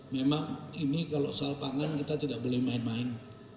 memang ini kalau soal pangan kita tidak boleh main main